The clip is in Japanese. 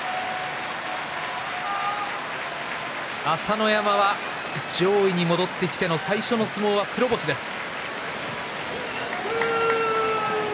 朝乃山は上位に戻ってきての最初の相撲は黒星です。